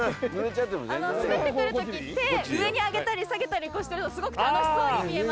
滑ってくるとき手上に上げたり下げたりしてるとすごく楽しそうに見えますよ。